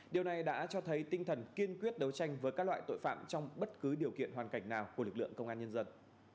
điều này đã cho thấy tinh thần kiên quyết đấu tranh với các loại tội phạm trong bất cứ điều kiện hoàn cảnh nào của lực lượng công an nhân dân